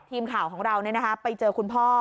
ทีมข่าวของเราไปเจอคุณพ่อ